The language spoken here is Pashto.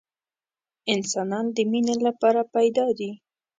انسانان د مینې لپاره پیدا دي